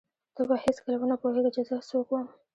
ته به هېڅکله ونه پوهېږې چې زه څوک وم.